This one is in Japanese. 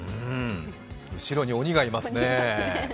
後ろに鬼がいますね。